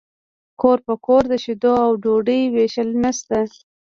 کور په کور د شیدو او ډوډۍ ویشل نشته